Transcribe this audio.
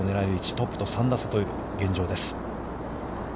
トップと３打差という現状です。